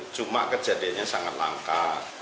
cuma kejadiannya sangat langka